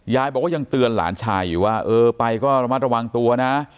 บอกว่ายังเตือนหลานชายอยู่ว่าเออไปก็ระมัดระวังตัวนะ